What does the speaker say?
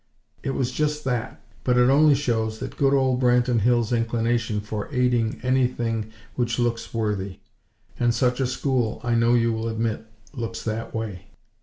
It was just that. But it only shows that good old Branton Hills' inclination for aiding anything which looks worthy; and such a school I know you will admit, looks that way.